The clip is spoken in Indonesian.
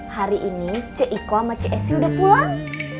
hari ini ce iko sama ce esy udah pulang